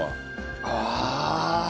ああ。